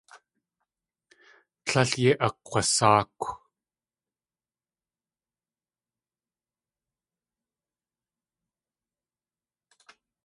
Tlél yéi akg̲wasáakw.